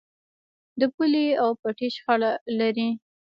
د پولې او پټي شخړه لرئ؟